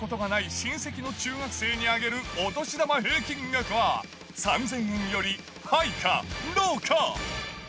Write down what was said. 親戚の中学生にあげるお年玉平均額は、３０００円よりハイかローか。